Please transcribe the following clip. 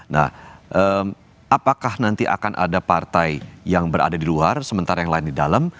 nah apakah nanti akan ada partai yang berada di luar sementara yang lain di dalam